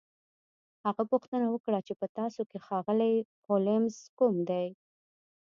هغه پوښتنه وکړه چې په تاسو کې ښاغلی هولمز کوم یو دی